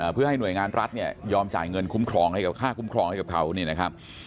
เพื่อให้หน่วยงานรัฐเนี่ยยอมจ่ายเงินคุ้มครองให้กับค่าคุ้มครองให้กับเขานี่นะครับ